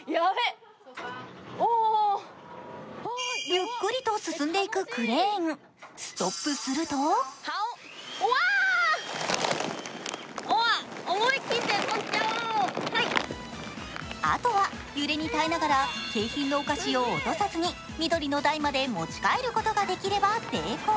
ゆっくりと進んでいくクレーンストップするとあとは揺れに耐えながら景品のお菓子を落とさずに緑の台まで持ち帰ることができれば成功。